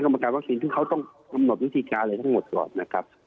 ก็มันธรรมการวัคซีนที่เขาต้องทำหมดวิธีการให้ต้องหมดก่อนนะครับ